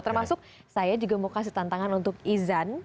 termasuk saya juga mau kasih tantangan untuk izan